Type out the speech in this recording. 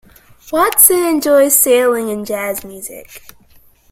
Watson enjoys sailing and jazz music.